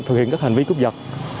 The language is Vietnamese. thực hiện các hành vi cướp giật